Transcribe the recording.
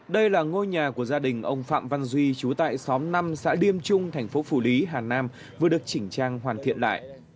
đây là ngôi nhà của gia đình ông phạm văn duy chú tại xóm năm xã điêm trung thành phố phủ lý hà nam vừa được chỉnh trang hoàn thiện lại